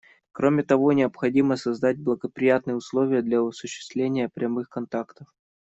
Кроме того, необходимо создать благоприятные условия для осуществления прямых контактов.